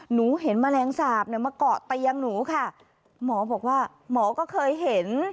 หนูเห็นแมลงสาปเนี่ยมาเกาะเตียงหนูค่ะหมอบอกว่าหมอก็เคยเห็น